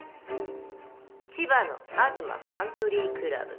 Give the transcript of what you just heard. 千葉のアズマカントリークラブ。